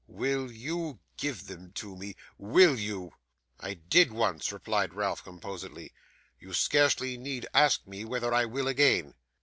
Will you give them to me will you?' 'I did once,' replied Ralph, composedly; 'you scarcely need ask me whether I will again.